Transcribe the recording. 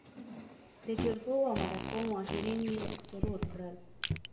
د جرګو او مرکو ماهرين يې ترور کړل.